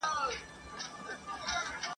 چي هر څومره منډه کړو شاته پاتیږو ..